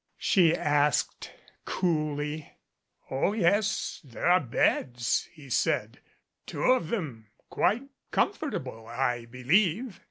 she asked coolly. "Oh, yes, there are beds," he said; "two of them quite comfortable, I believe."